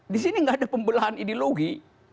disini gak ada pembelahan ideologi